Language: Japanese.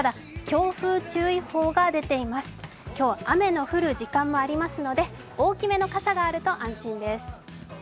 今日は雨の降る時間もありますので大きめの傘があると安心です。